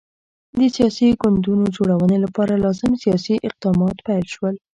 د سیاسي ګوندونو جوړونې لپاره لازم سیاسي اقدامات پیل شول.